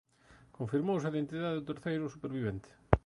Confirmouse a identidade do terceiro supervivente.